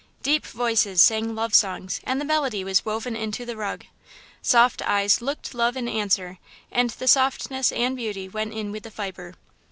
Deep voices sang love songs and the melody was woven into the rug. Soft eyes looked love in answer and the softness and beauty went in with the fibre.